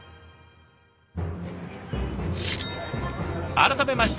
改めまして